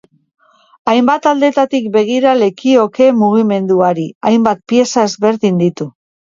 Hainbat aldetatik begira lekioke mugimenduari, hainbat pieza ezberdin ditu.